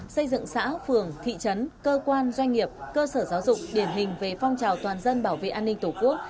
xây dựng xã phường thị trấn cơ quan doanh nghiệp cơ sở giáo dục điển hình về phong trào toàn dân bảo vệ an ninh tổ quốc